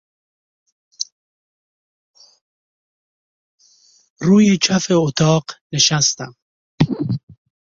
روی کف اتاق نشستم.